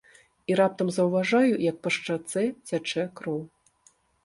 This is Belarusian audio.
І раптам заўважаю, як па шчацэ цячэ кроў.